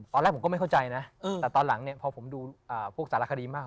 ตอนแรกผมก็ไม่เข้าใจนะแต่ตอนหลังเนี่ยพอผมดูพวกสารคดีมาก